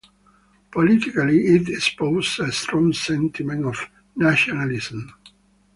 Politically it espouses a strong sentiment of nationalism.